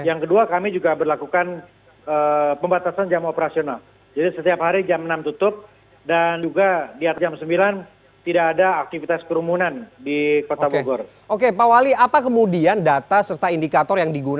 yang kedua kami juga berlaku